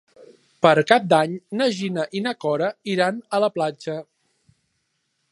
Per Cap d'Any na Gina i na Cora iran a la platja.